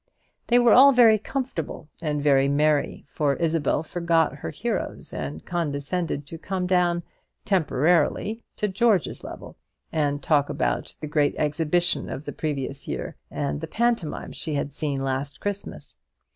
They were all very comfortable and very merry, for Isabel forgot her heroes, and condescended to come down temporarily to George's level, and talk about the Great Exhibition of the previous year, and the pantomime she had seen last Christmas.